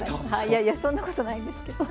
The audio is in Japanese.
いやいやそんなことないんですけど。